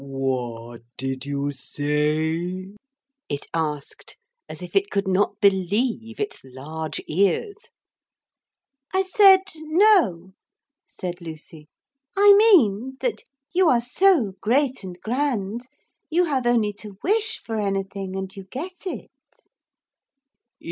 'What did you say?' it asked, as if it could not believe its large ears. 'I said "No,"' said Lucy. 'I mean that you are so great and grand you have only to wish for anything and you get it.'